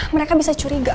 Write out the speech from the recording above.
mereka bisa curiga sama aku